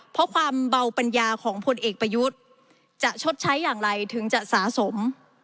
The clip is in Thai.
เพราะความเบาปัญญาของพลเอกประยุทธ์จะชดใช้อย่างไรถึงจะสะสม